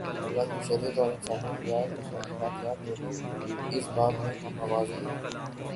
اللہ کی شریعت اور انسانی اخلاقیات، دونوں اس باب میں ہم آواز ہیں۔